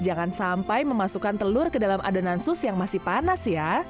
jangan sampai memasukkan telur ke dalam adonan sus yang masih panas ya